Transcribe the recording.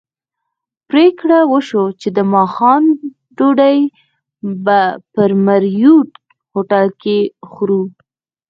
پرېکړه وشوه چې د ماښام ډوډۍ به په مریوټ هوټل کې خورو.